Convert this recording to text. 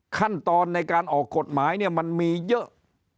ขั้นตอนในการออกกฎหมายเนี่ยมันมีเยอะ